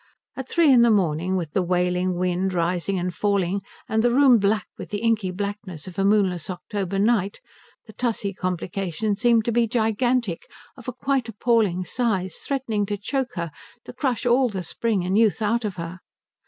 At three in the morning, with the wailing wind rising and falling and the room black with the inky blackness of a moonless October night, the Tussie complication seemed to be gigantic, of a quite appalling size, threatening to choke her, to crush all the spring and youth out of her.